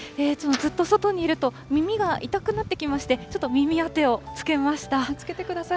ずっと外にいると、耳が痛くなってきまして、ちょっと耳当てをつけました。